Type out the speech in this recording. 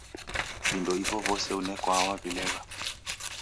Vindo ivo vose unekwaa wavilegha.